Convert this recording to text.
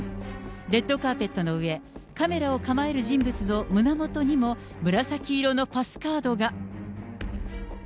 レッドカーペットの上、カメラを構える人物の胸もとにも、紫色のパスカードが。